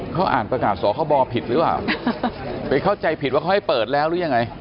เขาอ่านประกาศสคบผิดหรือเปล่าไปเข้าใจผิดว่าเขาให้เปิดแล้วหรือยังไง